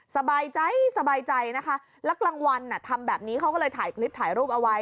สบายใจสบายใจนะคะแล้วกลางวันทำแบบนี้เขาก็เลยถ่ายคลิปถ่ายรูปเอาไว้